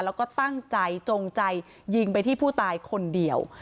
แล้วก็ตั้งใจจงใจยิงไปที่ผู้ตายคนเดียว